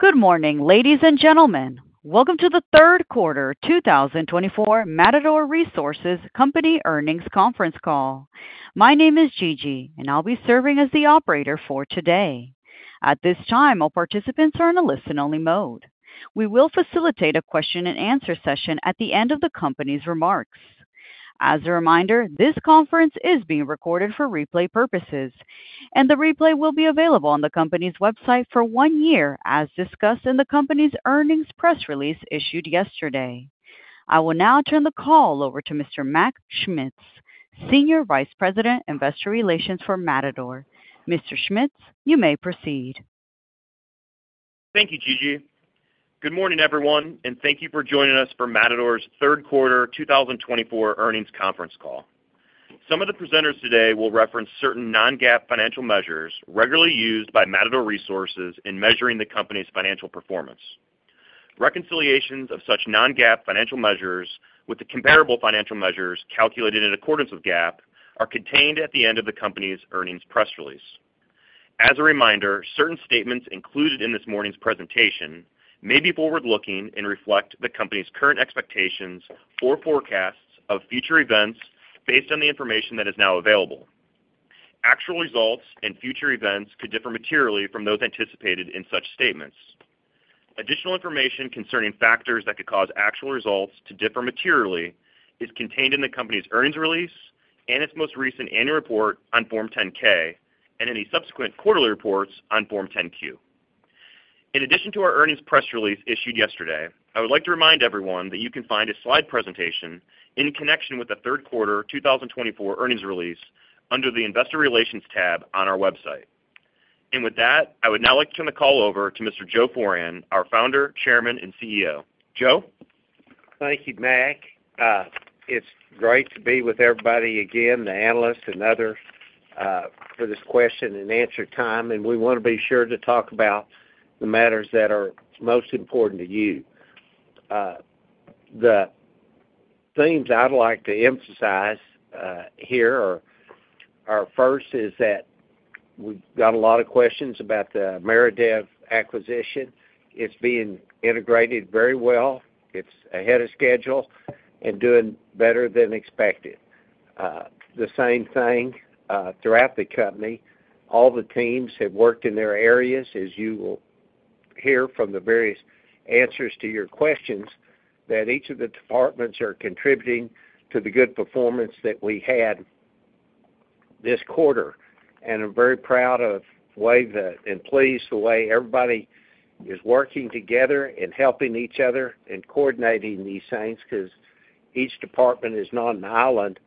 Good morning, ladies and gentlemen. Welcome to the third quarter 2024 Matador Resources Company Earnings Conference Call. My name is Gigi, and I'll be serving as the operator for today. At this time, all participants are in a listen-only mode. We will facilitate a question-and-answer session at the end of the company's remarks. As a reminder, this conference is being recorded for replay purposes, and the replay will be available on the company's website for one year, as discussed in the company's earnings press release issued yesterday. I will now turn the call over to Mr. Mac Schmitz, Senior Vice President, Investor Relations for Matador. Mr. Schmitz, you may proceed. Thank you, Gigi. Good morning, everyone, and thank you for joining us for Matador's third quarter two thousand twenty-four earnings conference call. Some of the presenters today will reference certain non-GAAP financial measures regularly used by Matador Resources in measuring the company's financial performance. Reconciliations of such non-GAAP financial measures with the comparable financial measures calculated in accordance with GAAP are contained at the end of the company's earnings press release. As a reminder, certain statements included in this morning's presentation may be forward-looking and reflect the company's current expectations or forecasts of future events based on the information that is now available. Actual results and future events could differ materially from those anticipated in such statements. Additional information concerning factors that could cause actual results to differ materially is contained in the company's earnings release and its most recent annual report on Form 10-K and any subsequent quarterly reports on Form 10-Q. In addition to our earnings press release issued yesterday, I would like to remind everyone that you can find a slide presentation in connection with the third quarter 2024 earnings release under the Investor Relations tab on our website. And with that, I would now like to turn the call over to Mr. Joe Foran, our Founder, Chairman, and CEO. Joe? Thank you, Mack. It's great to be with everybody again, the analysts and others, for this question-and-answer time, and we want to be sure to talk about the matters that are most important to you. The things I'd like to emphasize here are first is that we've got a lot of questions about the Ameredev acquisition. It's being integrated very well. It's ahead of schedule and doing better than expected. The same thing throughout the company. All the teams have worked in their areas, as you will hear from the various answers to your questions, that each of the departments are contributing to the good performance that we had this quarter. And I'm very proud of the way that and pleased the way everybody is working together and helping each other in coordinating these things, because each department is not an island,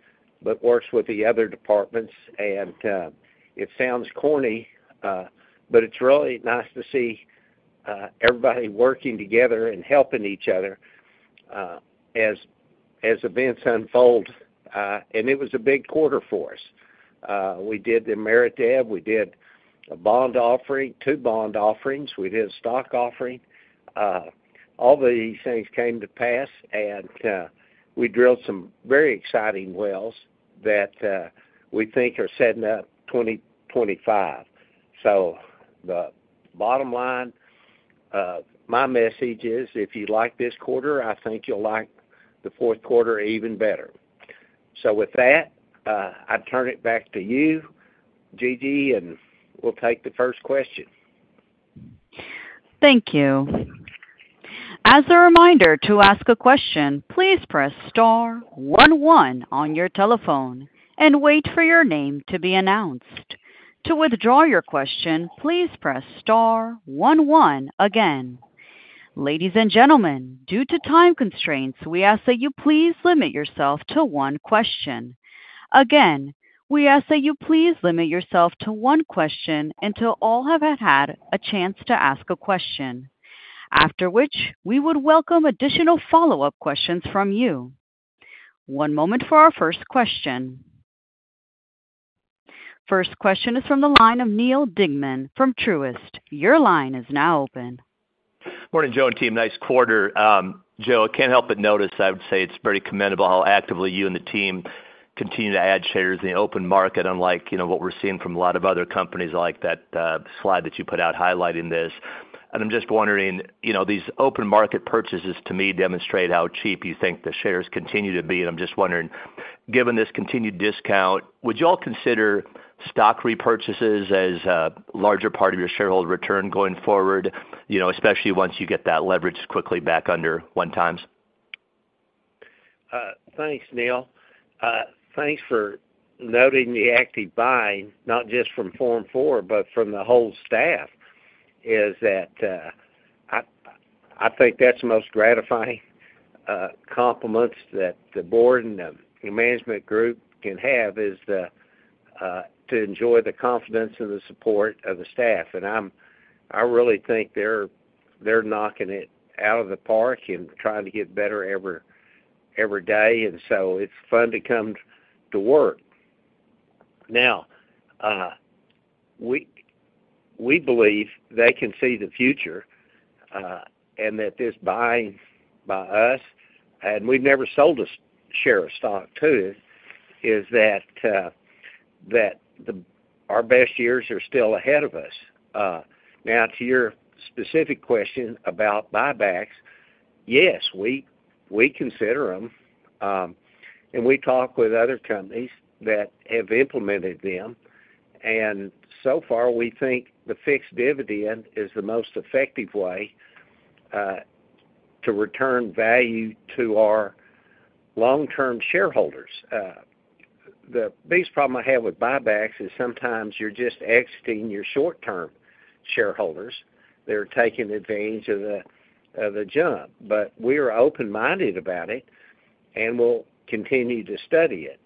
but works with the other departments. And, it sounds corny, but it's really nice to see, everybody working together and helping each other, as, as events unfold. And it was a big quarter for us. We did the Ameredev, we did a bond offering, two bond offerings, we did a stock offering. All these things came to pass, and, we drilled some very exciting wells that, we think are setting up 2025. So the bottom line of my message is, if you like this quarter, I think you'll like the fourth quarter even better. So with that, I turn it back to you, Gigi, and we'll take the first question. Thank you. As a reminder to ask a question, please press star one one on your telephone and wait for your name to be announced. To withdraw your question, please press star one one again. Ladies and gentlemen, due to time constraints, we ask that you please limit yourself to one question. Again, we ask that you please limit yourself to one question until all have had a chance to ask a question, after which we would welcome additional follow-up questions from you. One moment for our first question. First question is from the line of Neal Dingmann from Truist. Your line is now open. Morning, Joe and team. Nice quarter. Joe, I can't help but notice, I would say it's pretty commendable how actively you and the team continue to add shares in the open market, unlike, you know, what we're seeing from a lot of other companies, like that slide that you put out highlighting this. And I'm just wondering, you know, these open market purchases, to me, demonstrate how cheap you think the shares continue to be. And I'm just wondering, given this continued discount, would you all consider stock repurchases as a larger part of your shareholder return going forward, you know, especially once you get that leverage quickly back under one times? Thanks, Neal. Thanks for noting the active buying, not just from Form 4, but from the whole staff. I think that's the most gratifying compliments that the board and the management group can have, to enjoy the confidence and the support of the staff. And I really think they're knocking it out of the park and trying to get better every day, and so it's fun to come to work. Now, we believe they can see the future, and that this buying by us, and we've never sold a share of stock, too, that our best years are still ahead of us. Now, to your specific question about buybacks, yes, we consider them, and we talk with other companies that have implemented them. And so far, we think the fixed dividend is the most effective way to return value to our long-term shareholders. The biggest problem I have with buybacks is sometimes you're just exiting your short-term shareholders. They're taking advantage of the jump, but we are open-minded about it, and we'll continue to study it.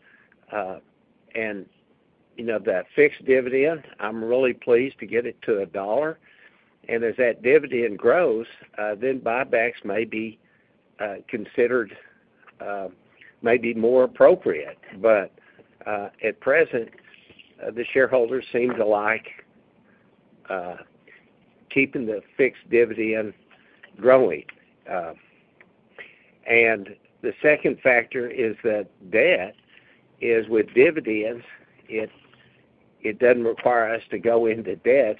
And, you know, that fixed dividend, I'm really pleased to get it to $1. And as that dividend grows, then buybacks may be considered, maybe more appropriate. But at present, the shareholders seem to like keeping the fixed dividend growing. And the second factor is that debt is, with dividends, it doesn't require us to go into debts.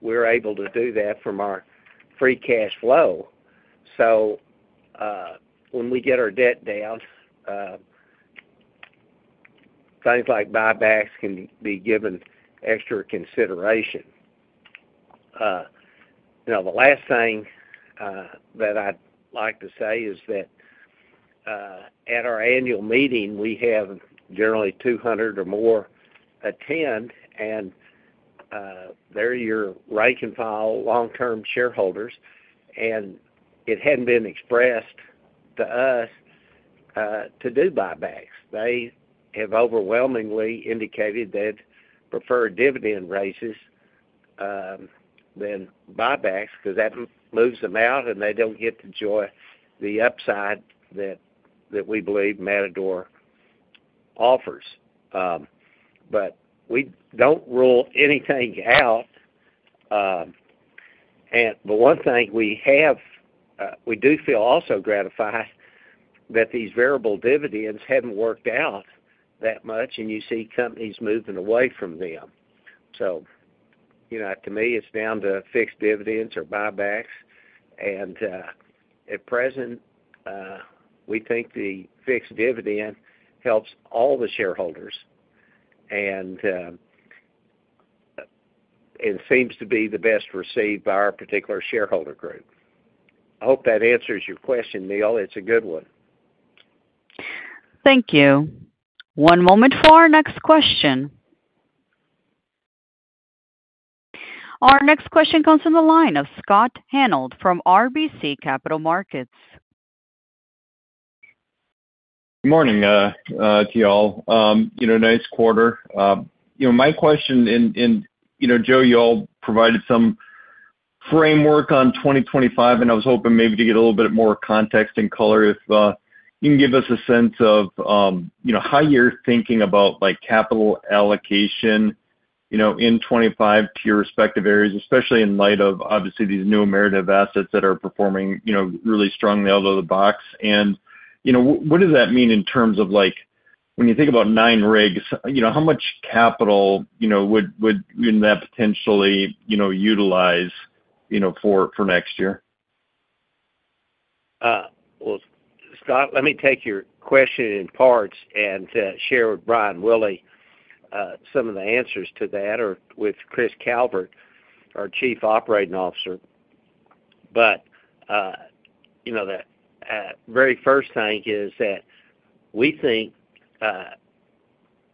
We're able to do that from our free cash flow. So, when we get our debt down, things like buybacks can be given extra consideration. You know, the last thing that I'd like to say is that, at our annual meeting, we have generally 200 or more attend, and, they're your rank-and-file long-term shareholders, and it hadn't been expressed to us, to do buybacks. They have overwhelmingly indicated they'd prefer dividend raises, than buybacks, because that moves them out, and they don't get to enjoy the upside that we believe Matador offers. But we don't rule anything out. And the one thing we have, we do feel also gratified that these variable dividends haven't worked out that much, and you see companies moving away from them. So, you know, to me, it's down to fixed dividends or buybacks. At present, we think the fixed dividend helps all the shareholders, and it seems to be the best received by our particular shareholder group. I hope that answers your question, Neal. It's a good one. Thank you. One moment for our next question. Our next question comes from the line of Scott Hanold from RBC Capital Markets. Good morning to you all. You know, nice quarter. You know, my question in, you know, Joe, you all provided some framework on 2025, and I was hoping maybe to get a little bit more context and color, if you can give us a sense of, you know, how you're thinking about, like, capital allocation, you know, in 2025 to your respective areas, especially in light of, obviously, these new Ameredev assets that are performing, you know, really strongly out of the box. And, you know, what does that mean in terms of, like, when you think about nine rigs, you know, how much capital, you know, would, wouldn't that potentially, you know, utilize, you know, for next year? Well, Scott, let me take your question in parts and share with Brian Willey some of the answers to that, or with Chris Calvert, our Chief Operating Officer. But you know, the very first thing is that we think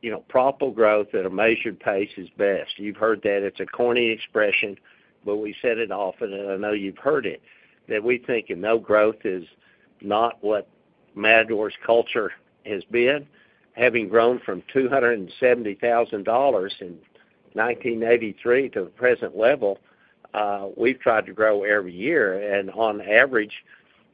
you know, profitable growth at a measured pace is best. You've heard that, it's a corny expression, but we said it often, and I know you've heard it, that we think you know, growth is not what Matador's culture has been. Having grown from $270,000 in 1983 to the present level, we've tried to grow every year, and on average,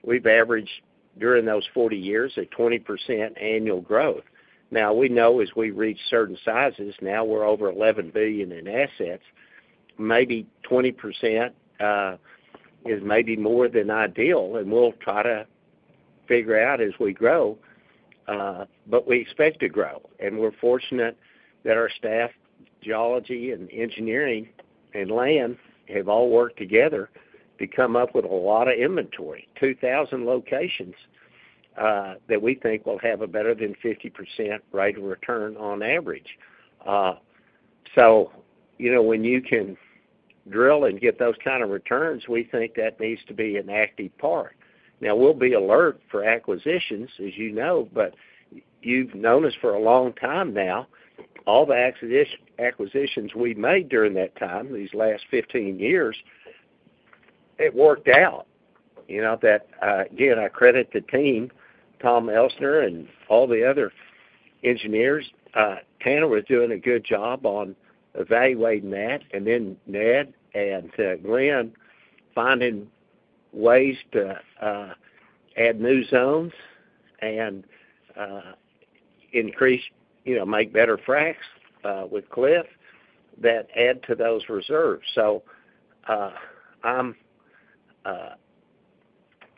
we've averaged, during those 40 years, a 20% annual growth. Now, we know as we reach certain sizes, now we're over $11 billion in assets, maybe 20% is maybe more than ideal, and we'll try to figure out as we grow, but we expect to grow, and we're fortunate that our staff, geology and engineering and land, have all worked together to come up with a lot of inventory, 2,000 locations, that we think will have a better than 50% rate of return on average. So you know, when you can drill and get those kind of returns, we think that needs to be an active part. Now, we'll be alert for acquisitions, as you know, but you've known us for a long time now. All the acquisitions we've made during that time, these last 15 years, it worked out. You know, that, again, I credit the team, Tom Elsener and all the other engineers. Tanner was doing a good job on evaluating that, and then Ned and Glenn, finding ways to add new zones and increase, you know, make better fracs with Cliff, that add to those reserves. So,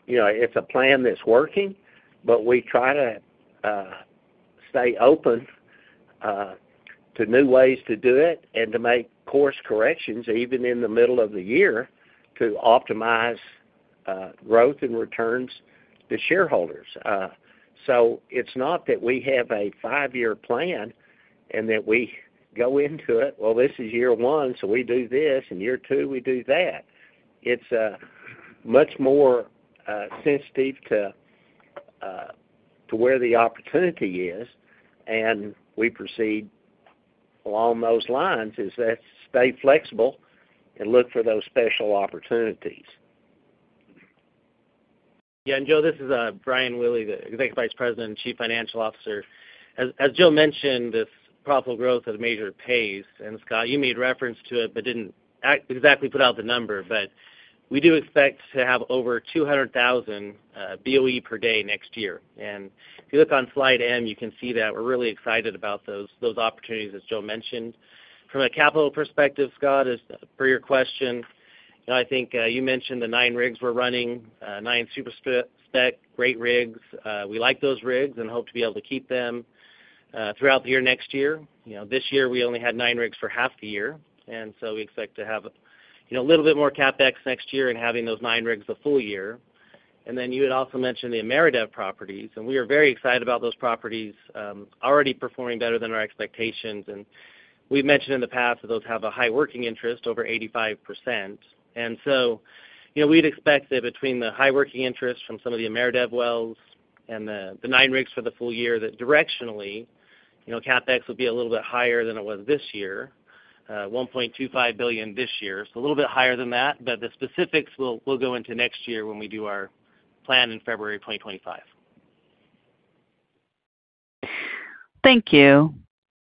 you know, it's a plan that's working, but we try to stay open to new ways to do it and to make course corrections, even in the middle of the year, to optimize growth and returns to shareholders. So it's not that we have a five-year plan, and that we go into it, well, this is year one, so we do this, in year two, we do that. It's much more sensitive to where the opportunity is, and we proceed along those lines, is that stay flexible and look for those special opportunities. Yeah, and Joe, this is Brian Willey, the Executive Vice President and Chief Financial Officer. As Joe mentioned, this profitable growth has major pace, and Scott, you made reference to it, but didn't exactly put out the number. But we do expect to have over 200,000 BOE per day next year. And if you look on slide M, you can see that we're really excited about those opportunities, as Joe mentioned. From a capital perspective, Scott, as per your question, I think you mentioned the 9 rigs we're running, 9 super spec, great rigs. We like those rigs and hope to be able to keep them throughout the year, next year. You know, this year, we only had nine rigs for half the year, and so we expect to have, you know, a little bit more CapEx next year and having those nine rigs a full year. And then you had also mentioned the Ameredev properties, and we are very excited about those properties, already performing better than our expectations. And we've mentioned in the past that those have a high working interest, over 85%. And so, you know, we'd expect that between the high working interest from some of the Ameredev wells and the nine rigs for the full year, that directionally, you know, CapEx will be a little bit higher than it was this year, $1.25 billion this year, so a little bit higher than that. But the specifics, we'll go into next year when we do our plan in February 2025. Thank you.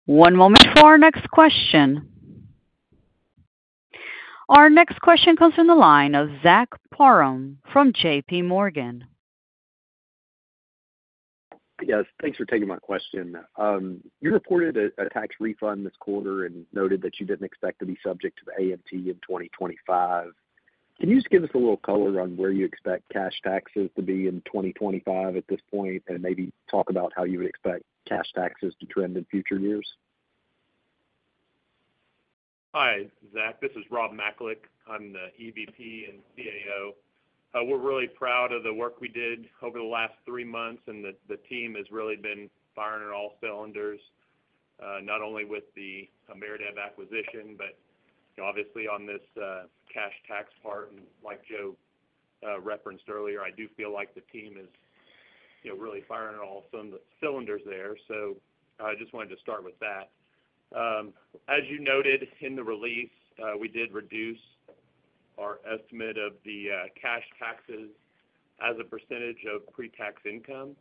One moment for our next question. Our next question comes from the line of Zach Parham from JP Morgan. Yes, thanks for taking my question. You reported a tax refund this quarter and noted that you didn't expect to be subject to the AMT in 2025. Can you just give us a little color on where you expect cash taxes to be in 2025 at this point, and maybe talk about how you would expect cash taxes to trend in future years? Hi, Zach, this is Rob Macalik. I'm the EVP and CAO. We're really proud of the work we did over the last three months, and the team has really been firing on all cylinders, not only with the Ameredev acquisition, but, you know, obviously on this cash tax part. And like Joe referenced earlier, I do feel like the team is, you know, really firing on all cylinders there. So I just wanted to start with that. As you noted in the release, we did reduce our estimate of the cash taxes as a percentage of pre-tax income,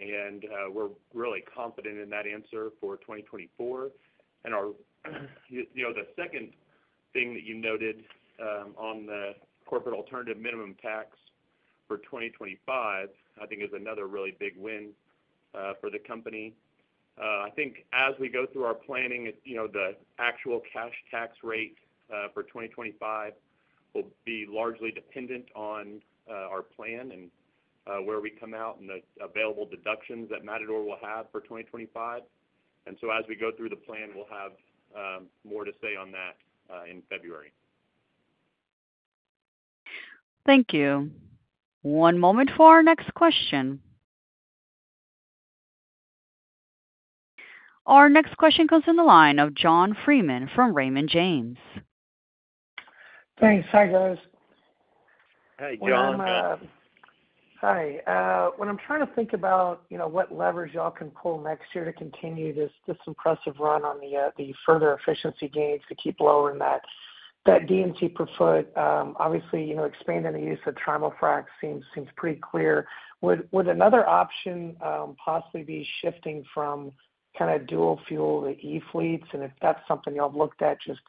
and we're really confident in that answer for 2024. You know, the second thing that you noted, on the corporate alternative minimum tax for 2025, I think is another really big win for the company. I think as we go through our planning, you know, the actual cash tax rate for 2025 will be largely dependent on our plan and where we come out and the available deductions that Matador will have for 2025, and so as we go through the plan, we'll have more to say on that in February. Thank you. One moment for our next question. Our next question comes in the line of John Freeman from Raymond James. Thanks. Hi, guys. Hey, John. Hi. When I'm trying to think about, you know, what levers y'all can pull next year to continue this impressive run on the further efficiency gains to keep lowering that D&C per foot, obviously, you know, expanding the use of trimul fracs seems pretty clear. Would another option possibly be shifting from kind of dual fuel to E-fleets? And if that's something y'all have looked at, just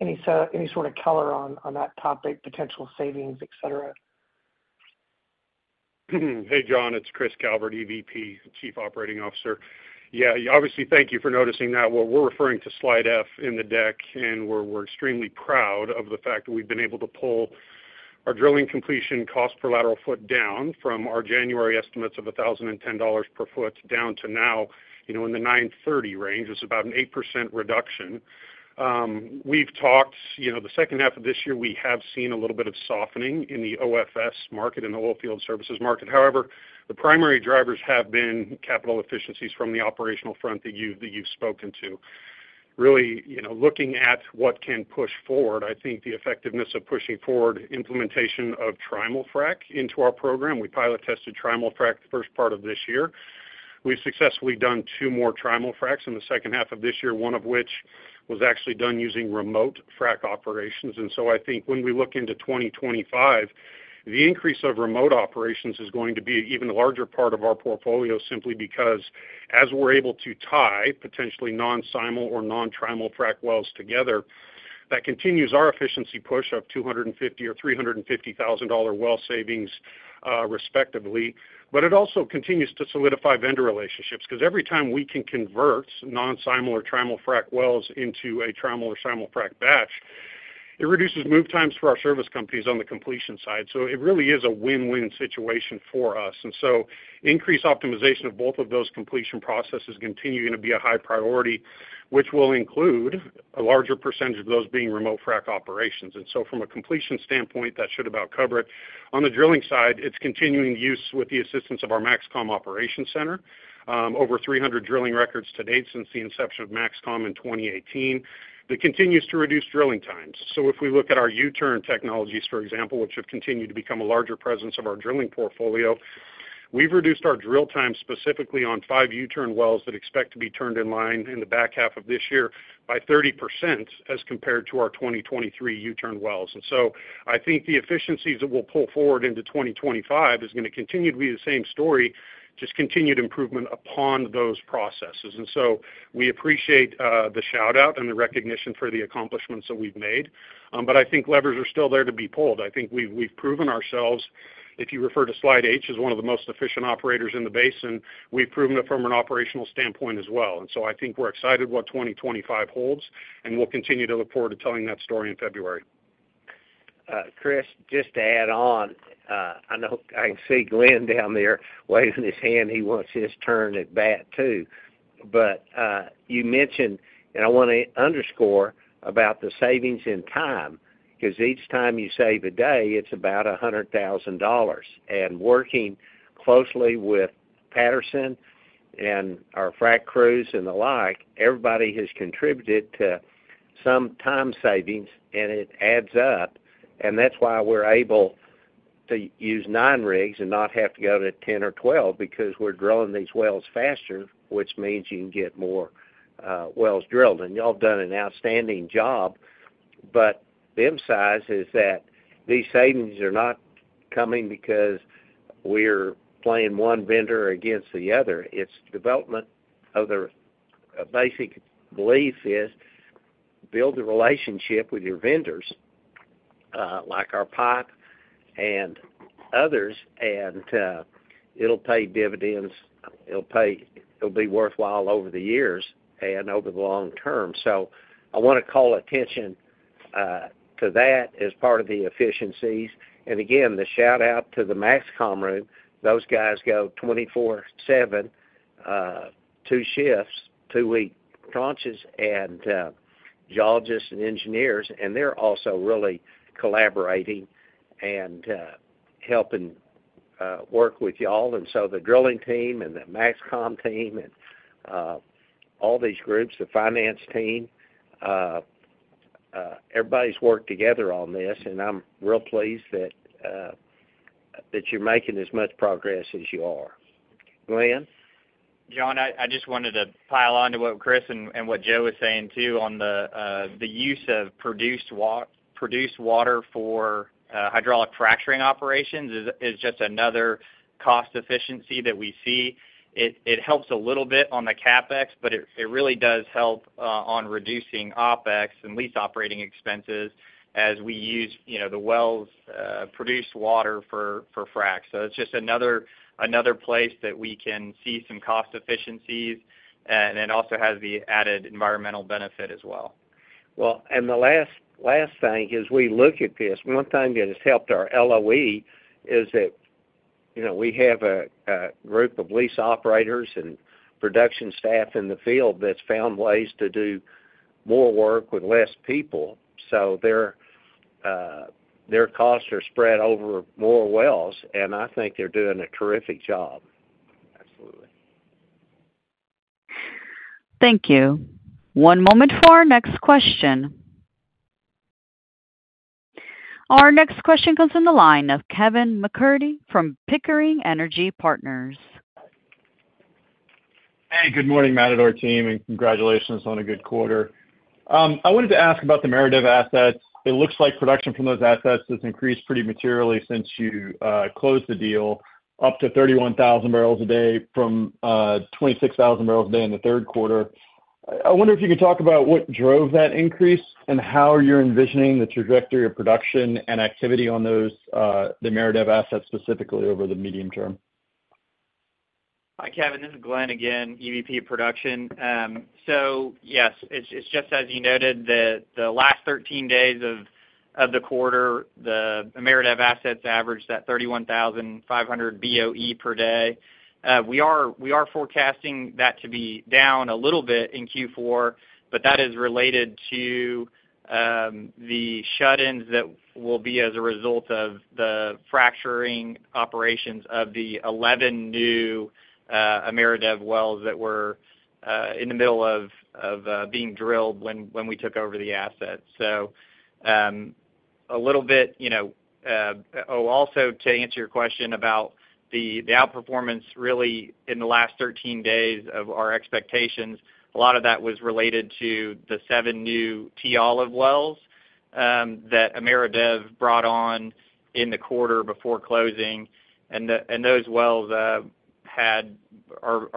any sort of color on that topic, potential savings, et cetera. Hey, John, it's Chris Calvert, EVP, Chief Operating Officer. Yeah, obviously, thank you for noticing that. What we're referring to, slide F in the deck, and we're extremely proud of the fact that we've been able to pull our drilling completion cost per lateral foot down from our January estimates of $1,010 per foot, down to now, you know, in the $930 range. It's about an 8% reduction. We've talked. You know, the second half of this year, we have seen a little bit of softening in the OFS market and the oil field services market. However, the primary drivers have been capital efficiencies from the operational front that you've spoken to. Really, you know, looking at what can push forward, I think the effectiveness of pushing forward implementation of trimul-frac into our program. We pilot tested trimul-frac the first part of this year. We've successfully done two more trimul-fracs in the second half of this year, one of which was actually done using remote frac operations. And so I think when we look into 2025, the increase of remote operations is going to be an even larger part of our portfolio, simply because as we're able to tie potentially non-simul-frac or non-trimul-frac wells together, that continues our efficiency push of $250,000 or $350,000 well savings, respectively. But it also continues to solidify vendor relationships, because every time we can convert non-simul-frac or trimul-frac wells into a trimul-frac or simul-frac batch. It reduces move times for our service companies on the completion side, so it really is a win-win situation for us. And so increased optimization of both of those completion processes continue going to be a high priority, which will include a larger percentage of those being remote frac operations. And so from a completion standpoint, that should about cover it. On the drilling side, it's continuing use with the assistance of our MAXCOM operations center, over 300 drilling records to date since the inception of MAXCOM in 2018. That continues to reduce drilling times. So if we look at our U-Turn technologies, for example, which have continued to become a larger presence of our drilling portfolio, we've reduced our drill time specifically on five U-Turn wells that expect to be turned in line in the back half of this year by 30% as compared to our 2023 U-Turn wells. And so I think the efficiencies that we'll pull forward into 2025 is going to continue to be the same story, just continued improvement upon those processes. And so we appreciate the shout out and the recognition for the accomplishments that we've made. But I think levers are still there to be pulled. I think we've proven ourselves, if you refer to slide H, as one of the most efficient operators in the basin, we've proven it from an operational standpoint as well. And so I think we're excited what 2025 holds, and we'll continue to look forward to telling that story in February. Chris, just to add on, I know I can see Glenn down there waving his hand. He wants his turn at bat, too. But you mentioned, and I want to underscore about the savings in time, because each time you save a day, it's about $100,000. And working closely with Patterson and our frac crews and the like, everybody has contributed to some time savings, and it adds up. And that's why we're able to use nine rigs and not have to go to 10 or 12, because we're drilling these wells faster, which means you can get more wells drilled, and y'all have done an outstanding job. But the emphasis is that these savings are not coming because we're playing one vendor against the other. It's development of the basic belief is build a relationship with your vendors, like our pipe and others, and it'll pay dividends. It'll pay-- It'll be worthwhile over the years and over the long term. So I want to call attention to that as part of the efficiencies. And again, the shout out to the MAXCOM room. Those guys go 24/7, two shifts, two-week launches, and geologists and engineers, and they're also really collaborating and helping work with y'all. And so the drilling team and the MAXCOM team and all these groups, the finance team, everybody's worked together on this, and I'm real pleased that that you're making as much progress as you are. Glenn? John, I just wanted to pile on to what Chris and what Joe was saying, too, on the use of produced water for hydraulic fracturing operations is just another cost efficiency that we see. It helps a little bit on the CapEx, but it really does help on reducing OpEx and lease operating expenses as we use, you know, the wells produced water for frack. So it's just another place that we can see some cost efficiencies, and it also has the added environmental benefit as well. And the last thing, as we look at this, one thing that has helped our LOE is that, you know, we have a group of lease operators and production staff in the field that's found ways to do more work with less people. So their costs are spread over more wells, and I think they're doing a terrific job. Absolutely. Thank you. One moment for our next question. Our next question comes from the line of Kevin MacCurdy from Pickering Energy Partners. Hey, good morning, Matador team, and congratulations on a good quarter. I wanted to ask about the Ameredev assets. It looks like production from those assets has increased pretty materially since you closed the deal, up to 31,000 barrels a day from 26,000 barrels a day in the third quarter. I wonder if you could talk about what drove that increase and how you're envisioning the trajectory of production and activity on those, the Ameredev assets, specifically over the medium term. Hi, Kevin. This is Glenn again, EVP of Production. So yes, it's just as you noted that the last thirteen days of the quarter, the Ameredev assets averaged that thirty-one thousand five hundred BOE per day. We are forecasting that to be down a little bit in Q4, but that is related to the shut-ins that will be as a result of the fracturing operations of the eleven new Ameredev wells that were in the middle of being drilled when we took over the assets. So, a little bit, you know. Oh, also, to answer your question about the outperformance really in the last 13 days of our expectations, a lot of that was related to the seven new T. Olive wells that Ameredev brought on in the quarter before closing, and those wells are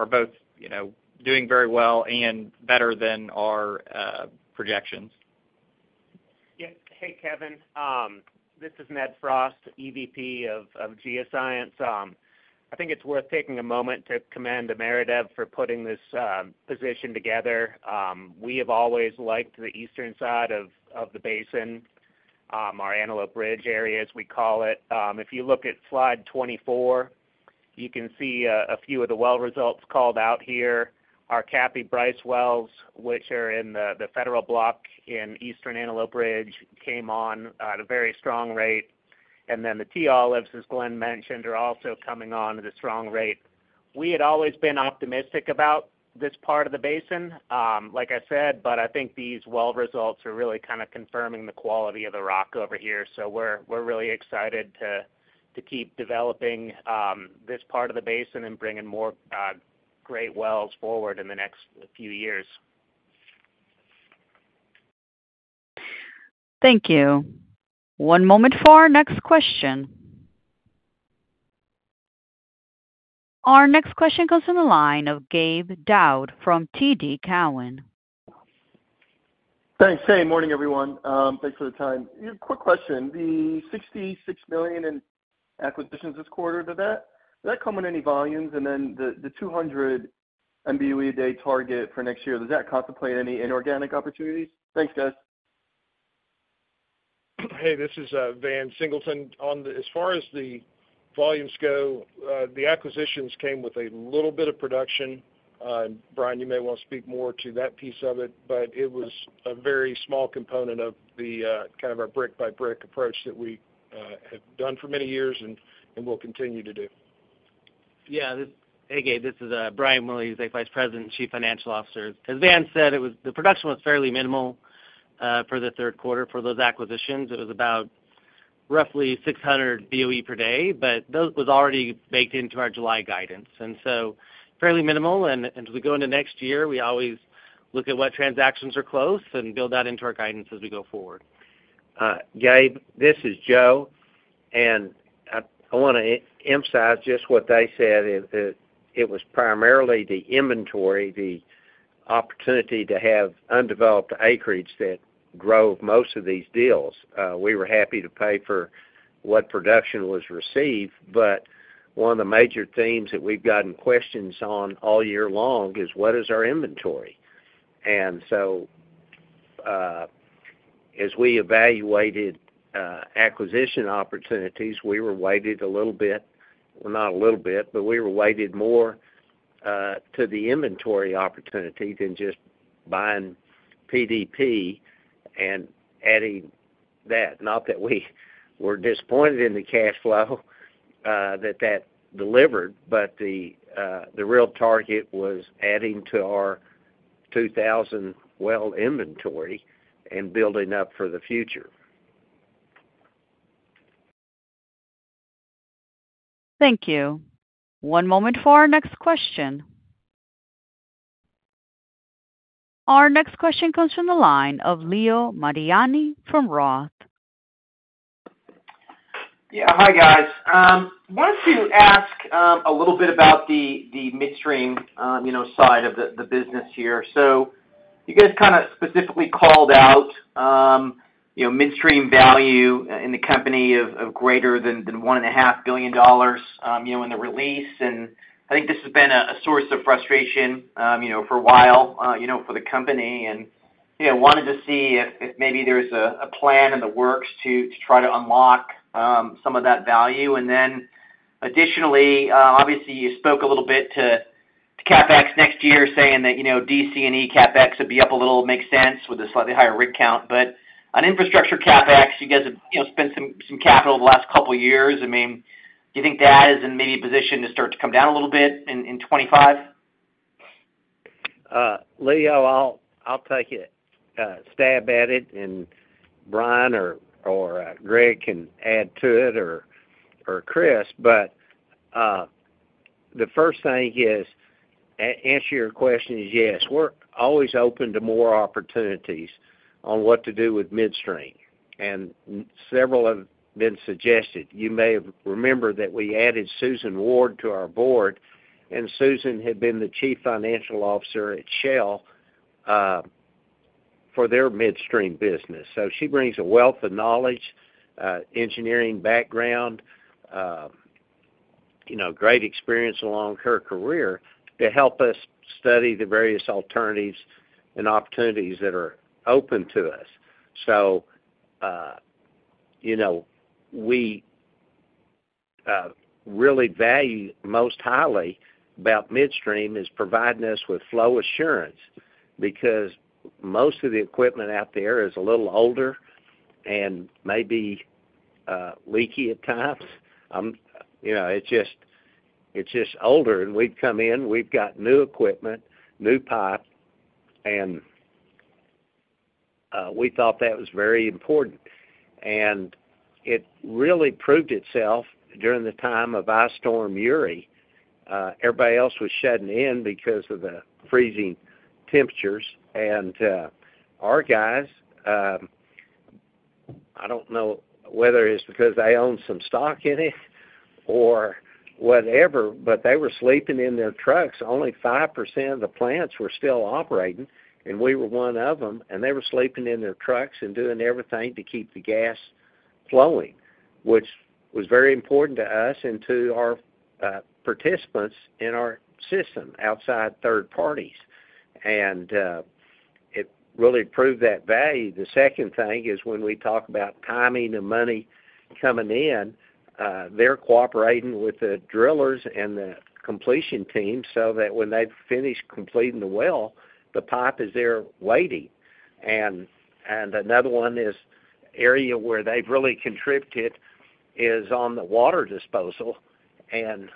both, you know, doing very well and better than our projections. Yes. Hey, Kevin, this is Ned Frost, EVP of Geoscience.... I think it's worth taking a moment to commend Ameredev for putting this position together. We have always liked the eastern side of the basin, our Antelope Ridge area, as we call it. If you look at slide 24, you can see a few of the well results called out here. Our Cappy Bryce wells, which are in the federal block in eastern Antelope Ridge, came on at a very strong rate. And then the T. Olives, as Glenn mentioned, are also coming on at a strong rate. We had always been optimistic about this part of the basin, like I said, but I think these well results are really kind of confirming the quality of the rock over here. So we're really excited to keep developing this part of the basin and bringing more great wells forward in the next few years. Thank you. One moment for our next question. Our next question comes from the line of Gabe Daoud from TD Cowen. Thanks. Hey, morning, everyone. Thanks for the time. Quick question. The $66 million in acquisitions this quarter, did that come with any volumes? And then the 200 MBOE a day target for next year, does that contemplate any inorganic opportunities? Thanks, guys. Hey, this is Van Singleton. As far as the volumes go, the acquisitions came with a little bit of production. Brian, you may want to speak more to that piece of it, but it was a very small component of the kind of our brick by brick approach that we have done for many years and will continue to do. Yeah. Hey, Gabe, this is Brian Willey, Vice President and Chief Financial Officer. As Van said, the production was fairly minimal for the third quarter for those acquisitions. It was about roughly 600 BOE per day, but those was already baked into our July guidance, and so fairly minimal. As we go into next year, we always look at what transactions are close and build that into our guidance as we go forward. Gabe, this is Joe, and I want to emphasize just what they said. It was primarily the inventory, the opportunity to have undeveloped acreage that drove most of these deals. We were happy to pay for what production was received, but one of the major themes that we've gotten questions on all year long is: What is our inventory? So, as we evaluated acquisition opportunities, we were weighted a little bit, well, not a little bit, but we were weighted more to the inventory opportunity than just buying PDP and adding that. Not that we were disappointed in the cash flow that that delivered, but the real target was adding to our 2,000-well inventory and building up for the future. Thank you. One moment for our next question. Our next question comes from the line of Leo Mariani from Roth. Yeah. Hi, guys. Wanted to ask a little bit about the midstream, you know, side of the business here. So you guys kind of specifically called out, you know, midstream value in the company of greater than $1.5 billion, you know, in the release. And I think this has been a source of frustration, you know, for a while, you know, for the company. And, you know, wanted to see if maybe there's a plan in the works to try to unlock some of that value. And then additionally, obviously, you spoke a little bit to CapEx next year, saying that, you know, D&C CapEx would be up a little, makes sense with a slightly higher rig count. But on infrastructure CapEx, you guys have, you know, spent some capital the last couple of years. I mean, do you think that is in maybe a position to start to come down a little bit in 2025? Leo, I'll take a stab at it, and Brian or Greg can add to it or Chris. But the first thing is, answer your question is yes. We're always open to more opportunities on what to do with midstream, and several have been suggested. You may remember that we added Susan Ward to our board, and Susan had been the Chief Financial Officer at Shell for their midstream business. So she brings a wealth of knowledge, engineering background, you know, great experience along her career to help us study the various alternatives and opportunities that are open to us. So, you know, we really value most highly about midstream is providing us with flow assurance, because most of the equipment out there is a little older and maybe leaky at times. You know, it's just, it's just older, and we've come in, we've got new equipment, new pipe, and we thought that was very important. And it really proved itself during the time of Winter Storm Uri. Everybody else was shutting in because of the freezing temperatures. And our guys, I don't know whether it's because they own some stock in it or whatever, but they were sleeping in their trucks. Only 5% of the plants were still operating, and we were one of them, and they were sleeping in their trucks and doing everything to keep the gas flowing, which was very important to us and to our participants in our system, outside third parties. And it really proved that value. The second thing is, when we talk about timing the money coming in, they're cooperating with the drillers and the completion team so that when they've finished completing the well, the pipe is there waiting. And another one is, area where they've really contributed is on the water disposal and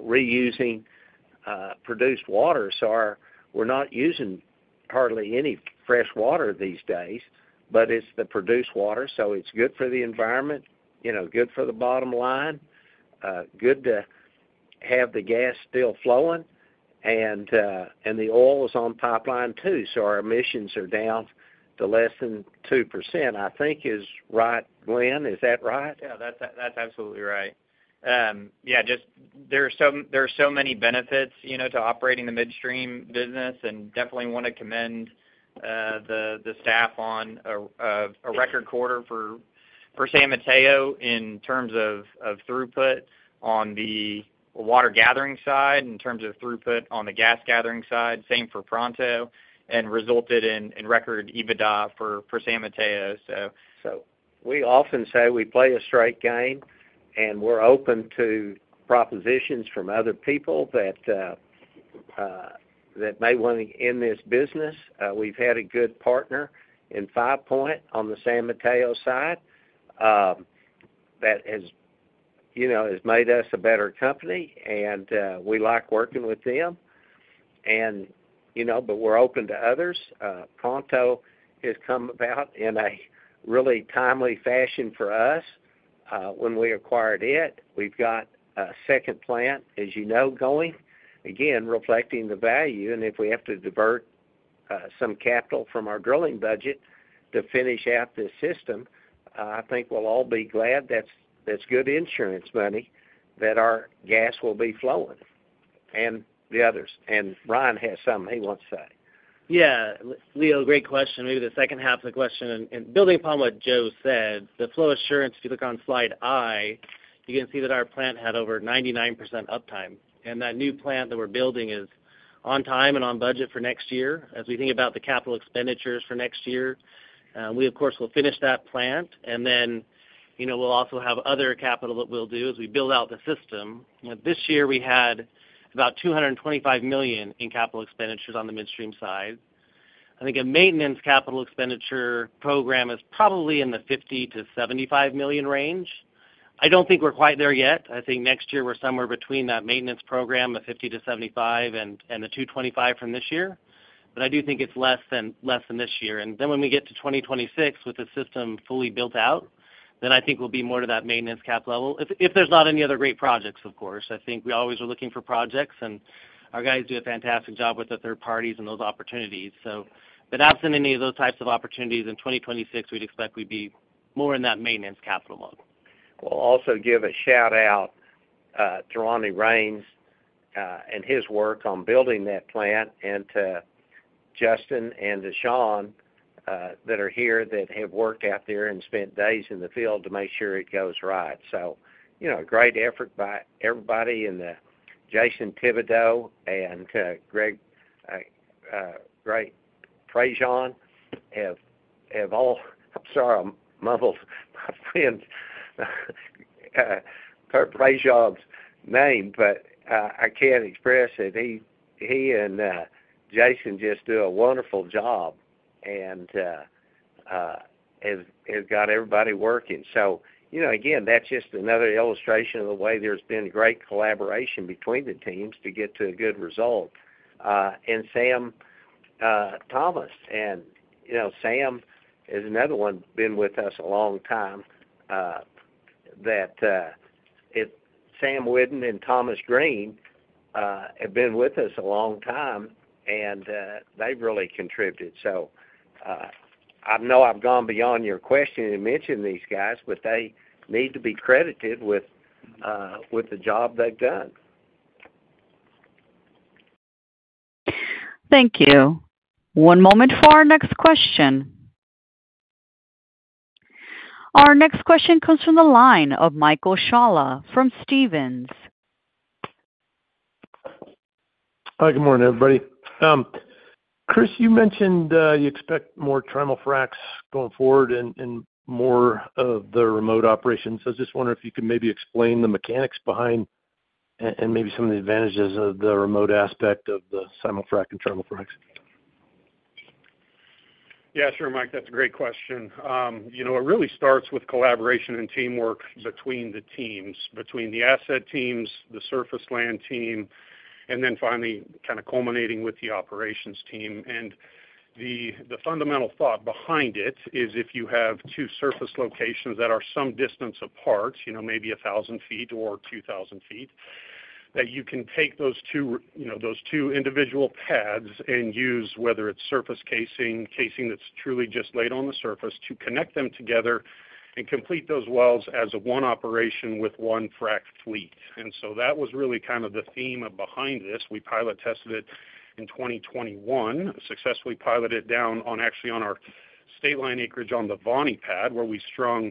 reusing produced water. So we're not using hardly any fresh water these days, but it's the produced water, so it's good for the environment, you know, good for the bottom line, good to have the gas still flowing, and the oil is on pipeline too, so our emissions are down to less than 2%, I think is right. Glenn, is that right? Yeah, that's absolutely right. Yeah, just there are so many benefits, you know, to operating the midstream business, and definitely want to commend the staff on a record quarter for San Mateo in terms of throughput on the water gathering side, in terms of throughput on the gas gathering side. Same for Pronto, and resulted in record EBITDA for San Mateo, so. So we often say we play a straight game, and we're open to propositions from other people that may want to end this business. We've had a good partner in Five Point on the San Mateo side that has, you know, has made us a better company, and we like working with them, and, you know, but we're open to others. Pronto has come about in a really timely fashion for us when we acquired it. We've got a second plant, as you know, going, again, reflecting the value. And if we have to divert some capital from our drilling budget to finish out this system, I think we'll all be glad that's good insurance money, that our gas will be flowing, and the others. And Ryan has something he wants to say. Yeah, Leo, great question. Maybe the second half of the question, and building upon what Joe said, the flow assurance, if you look on slide I, you can see that our plant had over 99% uptime. And that new plant that we're building is on time and on budget for next year. As we think about the capital expenditures for next year, we, of course, will finish that plant, and then, you know, we'll also have other capital that we'll do as we build out the system. This year, we had about $225 million in capital expenditures on the midstream side. I think a maintenance capital expenditure program is probably in the $50-$75 million range. I don't think we're quite there yet. I think next year we're somewhere between that maintenance program, the 50-75, and the 225 from this year, but I do think it's less than this year, and then when we get to 2026, with the system fully built out, then I think we'll be more to that maintenance cap level. If there's not any other great projects, of course. I think we always are looking for projects, and our guys do a fantastic job with the third parties and those opportunities, so, but absent any of those types of opportunities, in 2026, we'd expect we'd be more in that maintenance capital mode. We'll also give a shout-out to Ronnie Raines and his work on building that plant, and to Justin and to Sean that are here, that have worked out there and spent days in the field to make sure it goes right. So, you know, great effort by everybody and Jason Thibodeau and Greg Prejean have all... I'm sorry, I muddled my friend's Prejean's name, but I can't express it. He and Jason just do a wonderful job, and have got everybody working. So, you know, again, that's just another illustration of the way there's been great collaboration between the teams to get to a good result. And Sam, Thomas, and, you know, Sam is another one, been with us a long time, Sam Whitten and Thomas Green have been with us a long time, and they've really contributed. So, I know I've gone beyond your question in mentioning these guys, but they need to be credited with the job they've done. Thank you. One moment for our next question. Our next question comes from the line of Michael Scialla from Stephens. Hi, good morning, everybody. Chris, you mentioned you expect more triple fracs going forward and more of the remote operations. I was just wondering if you could maybe explain the mechanics behind and maybe some of the advantages of the remote aspect of the simulfrac and triple fracs. Yeah, sure, Mike, that's a great question. You know, it really starts with collaboration and teamwork between the teams, between the asset teams, the surface land team, and then finally, kind of culminating with the operations team, and the fundamental thought behind it is, if you have two surface locations that are some distance apart, you know, maybe a thousand feet or two thousand feet, that you can take those two, you know, those two individual pads and use, whether it's surface casing, casing that's truly just laid on the surface, to connect them together and complete those wells as one operation with one frac fleet, and so that was really kind of the theme behind this. We pilot tested it in 2021, successfully piloted it down on, actually on our three-... Stateline acreage on the Voni pad, where we strung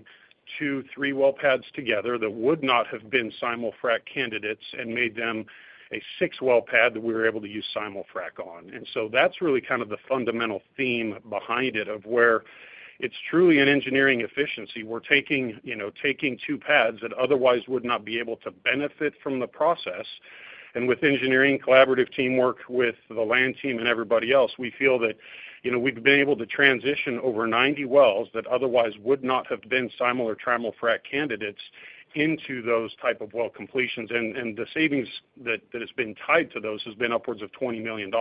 two, three-well pads together that would not have been simul-frac candidates and made them a six-well pad that we were able to use simul-frac on. And so that's really kind of the fundamental theme behind it, of where it's truly an engineering efficiency. We're taking, you know, taking two pads that otherwise would not be able to benefit from the process, and with engineering, collaborative teamwork, with the land team and everybody else, we feel that, you know, we've been able to transition over 90 wells that otherwise would not have been simul-frac or trimul-frac candidates into those type of well completions. And the savings that has been tied to those has been upwards of $20 million.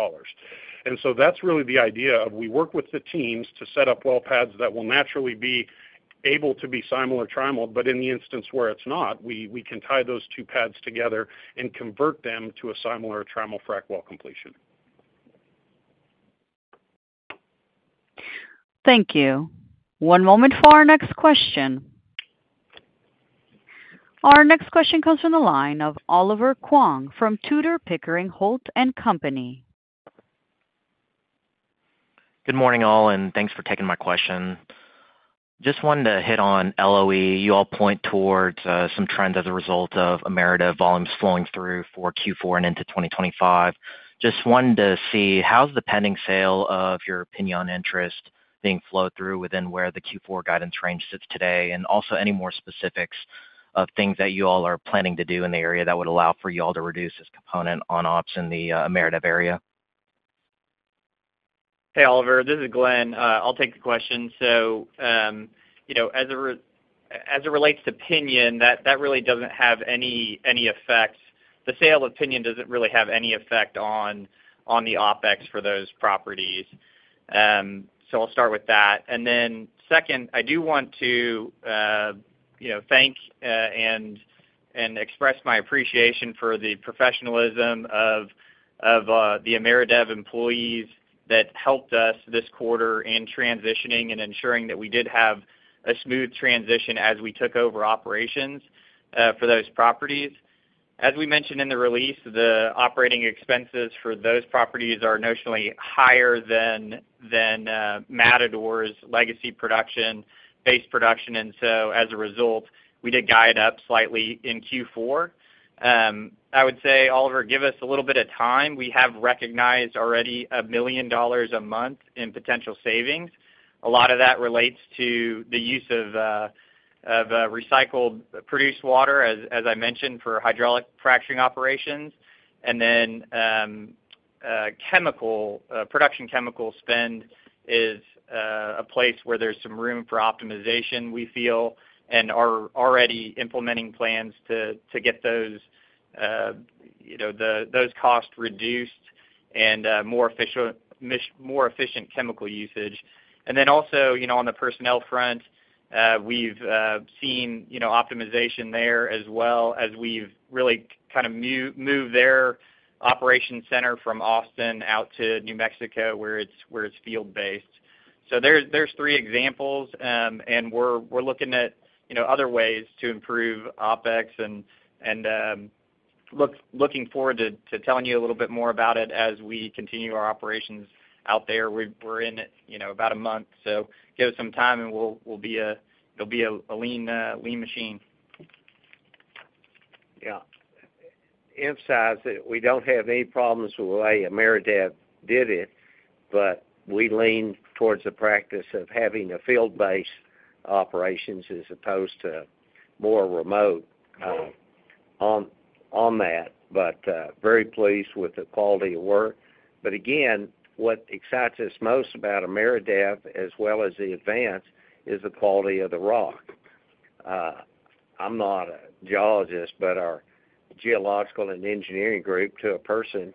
That's really the idea of we work with the teams to set up well pads that will naturally be able to be simul or trimul, but in the instance where it's not, we can tie those two pads together and convert them to a simul or a trimul frac well completion. Thank you. One moment for our next question. Our next question comes from the line of Oliver Huang from Tudor, Pickering, Holt & Company. Good morning, all, and thanks for taking my question. Just wanted to hit on LOE. You all point towards some trends as a result of Ameredev volumes flowing through for Q4 and into 2025. Just wanted to see, how's the pending sale of your non-op interest being flowed through within where the Q4 guidance range sits today? And also, any more specifics of things that you all are planning to do in the area that would allow for you all to reduce this component on ops in the Ameredev area? Hey, Oliver, this is Glenn. I'll take the question. So, you know, as it relates to Pinon, that really doesn't have any effect. The sale of Pinon doesn't really have any effect on the OpEx for those properties. So I'll start with that. And then second, I do want to, you know, thank and express my appreciation for the professionalism of the Ameredev employees that helped us this quarter in transitioning and ensuring that we did have a smooth transition as we took over operations for those properties. As we mentioned in the release, the operating expenses for those properties are notionally higher than Matador's legacy production, base production, and so as a result, we did guide up slightly in Q4. I would say, Oliver, give us a little bit of time. We have recognized already $1 million a month in potential savings. A lot of that relates to the use of recycled produced water, as I mentioned, for hydraulic fracturing operations. And then chemical production chemical spend is a place where there's some room for optimization, we feel, and are already implementing plans to get those, you know, the, those costs reduced and more efficient chemical usage. And then also, you know, on the personnel front, we've seen, you know, optimization there as well, as we've really kind of moved their operation center from Austin out to New Mexico, where it's field-based. So there's three examples. And we're looking at, you know, other ways to improve OpEx and looking forward to telling you a little bit more about it as we continue our operations out there. We're in it, you know, about a month, so give us some time, and we'll be a. It'll be a lean machine. Yeah. Emphasize that we don't have any problems with the way Ameredev did it, but we lean towards the practice of having a field-based operations as opposed to more remote, but very pleased with the quality of work. But again, what excites us most about Ameredev, as well as the Advance, is the quality of the rock. I'm not a geologist, but our geological and engineering group, to a person,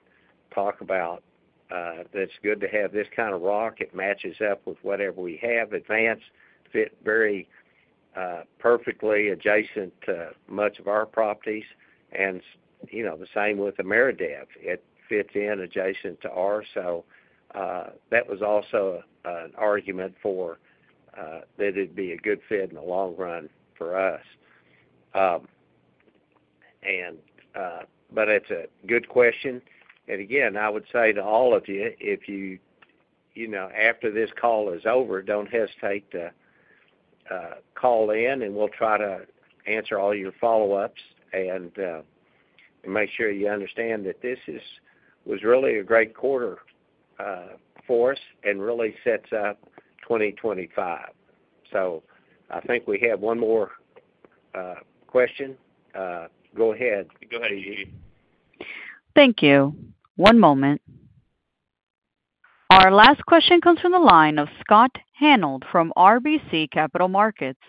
talk about that it's good to have this kind of rock. It matches up with whatever we have. Advance fit very perfectly adjacent to much of our properties, and, you know, the same with Ameredev. It fits in adjacent to ours. So, that was also an argument for that it'd be a good fit in the long run for us. And, but it's a good question. And again, I would say to all of you, if you, you know, after this call is over, don't hesitate to call in, and we'll try to answer all your follow-ups. And make sure you understand that this is, was really a great quarter for us and really sets up 2025. So I think we have one more question. Go ahead. Go ahead, Gigi. Thank you. One moment. Our last question comes from the line of Scott Hanold from RBC Capital Markets.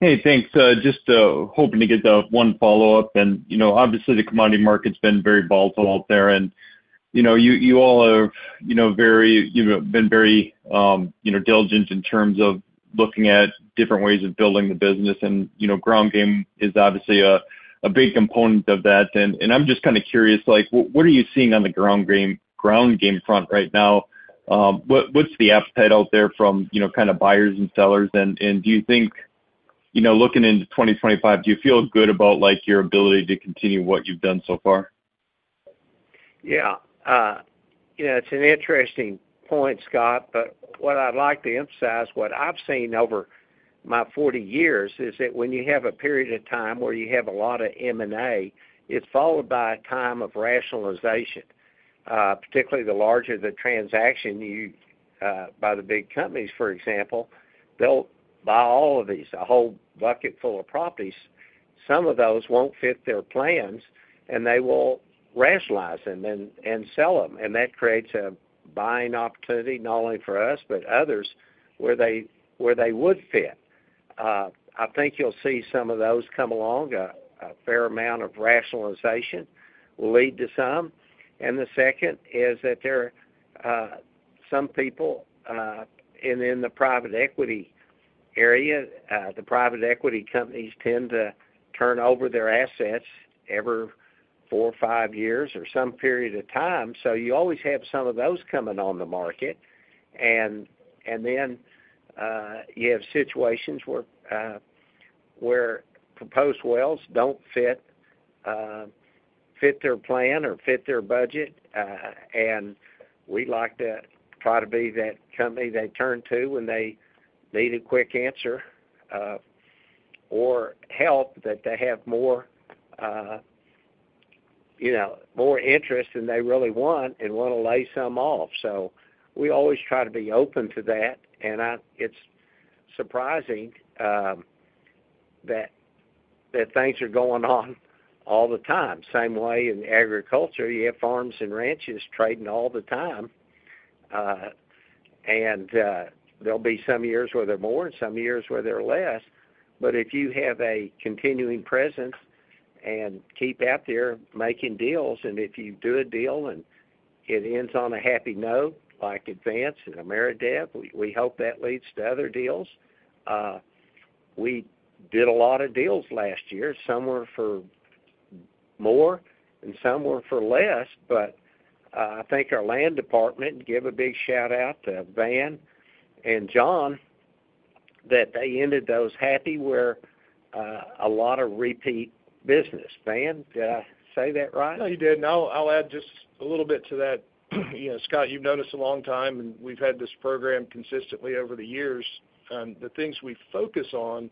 Hey, thanks. Just hoping to get one follow-up. And, you know, obviously, the commodity market's been very volatile out there, and you know, you all are, you know, very, you've been very, you know, diligent in terms of looking at different ways of building the business, and, you know, ground game is obviously a big component of that. And, I'm just kind of curious, like, what are you seeing on the ground game front right now? What's the appetite out there from, you know, kind of buyers and sellers? And, do you think, you know, looking into 2025, do you feel good about, like, your ability to continue what you've done so far?... Yeah, you know, it's an interesting point, Scott, but what I'd like to emphasize, what I've seen over my forty years, is that when you have a period of time where you have a lot of M&A, it's followed by a time of rationalization, particularly the larger the transaction by the big companies, for example, they'll buy all of these, a whole bucket full of properties. Some of those won't fit their plans, and they will rationalize them and sell them. And that creates a buying opportunity, not only for us, but others, where they would fit. I think you'll see some of those come along. A fair amount of rationalization will lead to some. And the second is that there are some people and in the private equity area, the private equity companies tend to turn over their assets every four or five years or some period of time. So you always have some of those coming on the market. And then you have situations where proposed wells don't fit their plan or fit their budget, and we like to try to be that company they turn to when they need a quick answer or help, that they have more, you know, more interest than they really want and want to lay some off. So we always try to be open to that, and it's surprising that things are going on all the time. Same way in agriculture, you have farms and ranches trading all the time. There'll be some years where they're more and some years where they're less. But if you have a continuing presence and keep out there making deals, and if you do a deal and it ends on a happy note, like Advance and Ameredev, we hope that leads to other deals. We did a lot of deals last year. Some were for more and some were for less, but I think our land department, give a big shout-out to Van and John, that they ended those happy, where a lot of repeat business. Van, did I say that right? No, you did. And I'll, I'll add just a little bit to that. You know, Scott, you've known us a long time, and we've had this program consistently over the years. And the things we focus on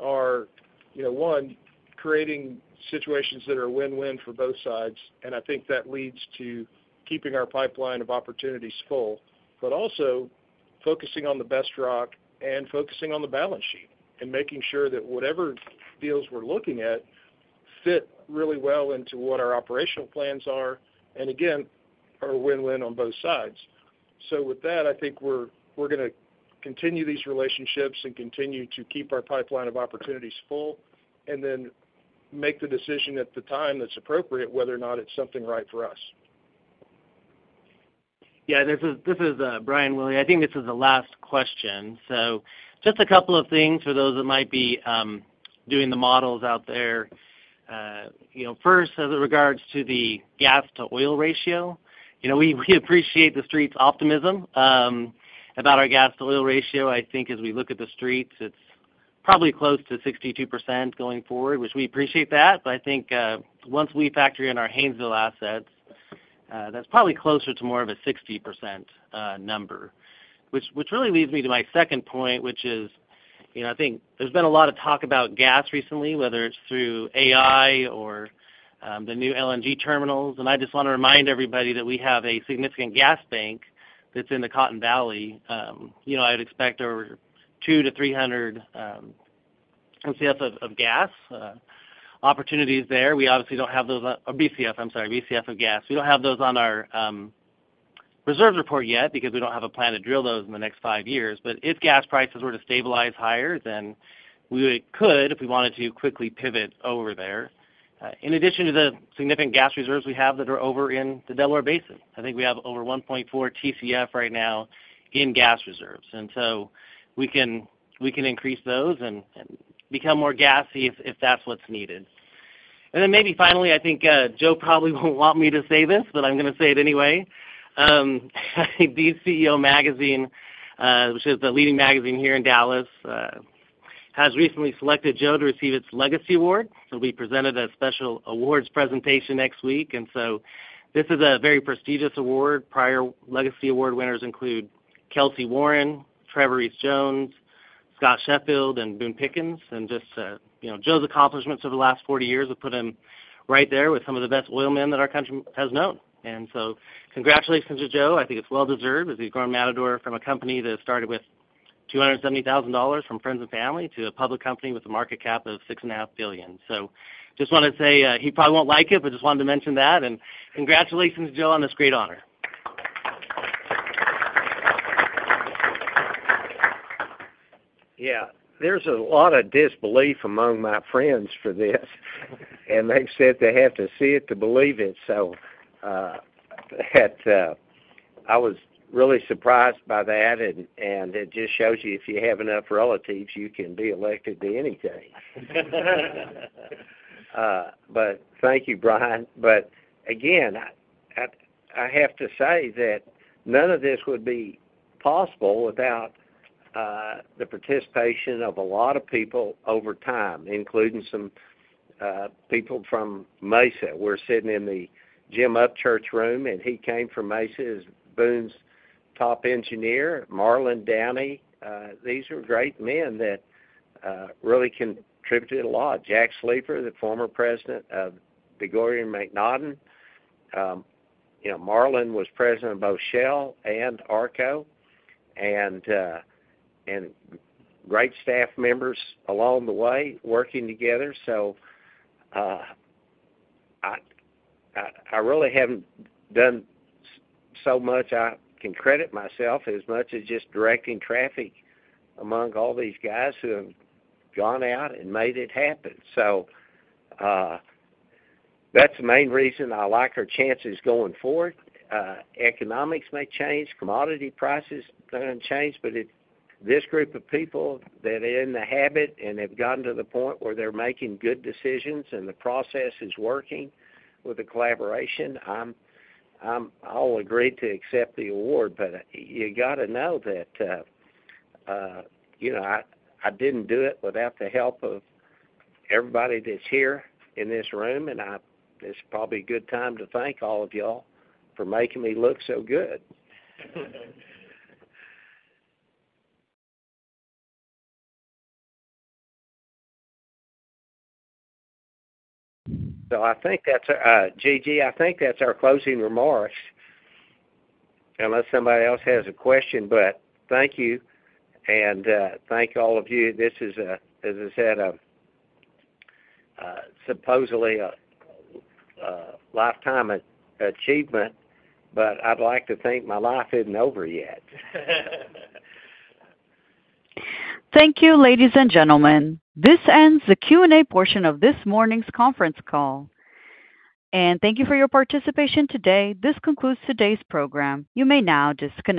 are, you know, one, creating situations that are win-win for both sides, and I think that leads to keeping our pipeline of opportunities full. But also focusing on the best rock and focusing on the balance sheet, and making sure that whatever deals we're looking at fit really well into what our operational plans are, and again, are win-win on both sides. So with that, I think we're, we're going to continue these relationships and continue to keep our pipeline of opportunities full, and then make the decision at the time that's appropriate, whether or not it's something right for us. Yeah, this is Brian Willey. I think this is the last question. So just a couple of things for those that might be doing the models out there. You know, first, as it regards to the gas to oil ratio, you know, we appreciate the Street's optimism about our gas to oil ratio. I think as we look at the Street's, it's probably close to 62% going forward, which we appreciate that. But I think once we factor in our Haynesville assets, that's probably closer to more of a 60% number. Which really leads me to my second point, which is, you know, I think there's been a lot of talk about gas recently, whether it's through AI or, the new LNG terminals, and I just want to remind everybody that we have a significant gas bank that's in the Cotton Valley. You know, I'd expect over 200-300 BCF of gas opportunities there. We obviously don't have those, BCF, I'm sorry, BCF of gas. We don't have those on our reserves report yet because we don't have a plan to drill those in the next five years. But if gas prices were to stabilize higher, then we could, if we wanted to, quickly pivot over there. In addition to the significant gas reserves we have that are over in the Delaware Basin, I think we have over one point four TCF right now in gas reserves. And so we can increase those and become more gassy if that's what's needed. And then maybe finally, I think Joe probably won't want me to say this, but I'm going to say it anyway. D CEO Magazine, which is the leading magazine here in Dallas, has recently selected Joe to receive its Legacy Award. He'll be presented a special awards presentation next week. And so this is a very prestigious award. Prior Legacy Award winners include Kelcy Warren, Trevor Rees-Jones, Scott Sheffield, and Boone Pickens. Just, you know, Joe's accomplishments over the last 40 years have put him right there with some of the best oilmen that our country has known. Congratulations to Joe. I think it's well-deserved, as he's grown Matador from a company that started with $270,000 from friends and family to a public company with a market cap of $6.5 billion. Just wanted to say, he probably won't like it, but just wanted to mention that, and congratulations, Joe, on this great honor. Yeah, there's a lot of disbelief among my friends for this, and they said they have to see it to believe it. So, that, I was really surprised by that, and it just shows you if you have enough relatives, you can be elected to anything. But thank you, Brian. But again, I have to say that none of this would be possible without the participation of a lot of people over time, including some people from Mesa. We're sitting in the Jim Upchurch room, and he came from Mesa as Boone's top engineer, Marlan Downey. These are great men that really contributed a lot. Jack Sleeper, the former president of DeGolyer and MacNaughton. You know, Marlan was president of both Shell and ARCO, and great staff members along the way, working together. So, I really haven't done so much. I can credit myself as much as just directing traffic among all these guys who have gone out and made it happen. So, that's the main reason I like our chances going forward. Economics may change, commodity prices are gonna change, but this group of people that are in the habit and have gotten to the point where they're making good decisions and the process is working with the collaboration. I'll agree to accept the award, but you gotta know that, you know, I didn't do it without the help of everybody that's here in this room, and it's probably a good time to thank all of y'all for making me look so good. So I think that's... Gigi, I think that's our closing remarks, unless somebody else has a question. But thank you, and thank all of you. This is, as I said, supposedly a lifetime achievement, but I'd like to think my life isn't over yet. Thank you, ladies and gentlemen. This ends the Q&A portion of this morning's conference call. And thank you for your participation today. This concludes today's program. You may now disconnect.